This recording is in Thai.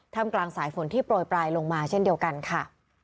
ทำกลางสายฝนที่โปรยปลายลงมาเช่นเดียวกันค่ะ